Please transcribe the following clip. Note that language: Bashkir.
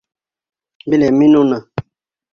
Беләм мин уны!